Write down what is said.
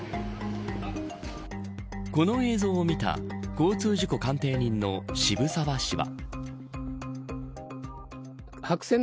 この映像を見た交通事故鑑定人の澁澤氏は。